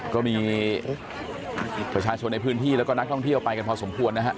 ก็มีประชาชนในพื้นที่แล้วก็นักท่องเที่ยวไปกันพอสมควรนะฮะ